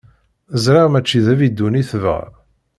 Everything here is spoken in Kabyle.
Ẓriɣ mačči d abidun i tebɣa.